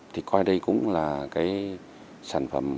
thì coi đây cũng là cái sản phẩm